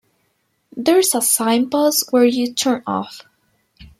There's a signpost where you turn off.